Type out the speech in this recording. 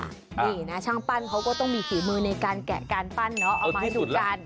นี่นะช่างปั้นเขาก็ต้องมีฝีมือในการแกะการปั้นเนาะเอามาให้ดูกัน